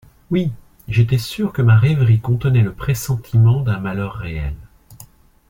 Oui, j'étais sûre que ma rêverie contenait le pressentiment d'un malheur réel.